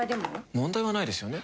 問題はないですよね